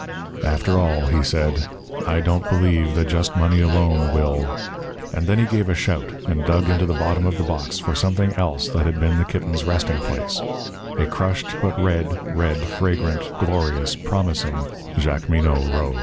"After all," he said, "I don't believe that just money alone will " And then he gave a shout and dug into the bottom of the box for something else that had been the kitten's resting place a crushed but red, red, fragrant, glorious, promising Jacqueminot rose.